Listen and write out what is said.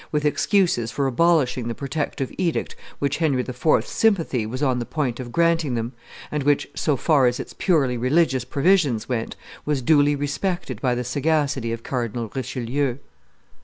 with excuses for abolishing the protective edict which Henry IV.'s sympathy was on the point of granting them, and which, so far as its purely religious provisions went, was duly respected by the sagacity of Cardinal Richelieu.